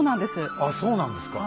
あっそうなんですか。